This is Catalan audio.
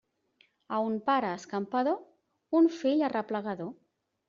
A un pare escampador, un fill arreplegador.